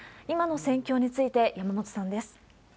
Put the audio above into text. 今の戦況について、山本さんです。